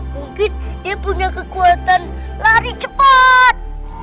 mungkin dia punya kekuatan lari cepat